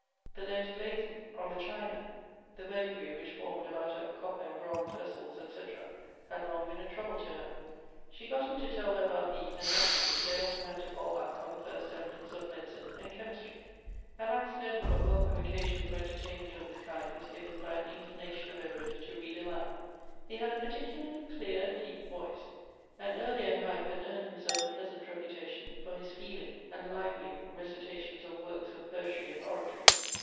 The lead glazing on the china, the verdigris which formed about her copper and bronze vessels, &c., had long been a trouble to her. She got him to tell her about these, and, naturally, they often had to fall back on the fii'st elements of medicine and chemistry. Elective Affinities. 35 An accidental, but welcome occasion for entertainment of this kind, was given by an inclination of Edward to read aloud. He had a particularly clear, deep voice, and earlier in life had earned himself a pleasant reputation for his feeling and lively recitations of works of poetiy and oratory.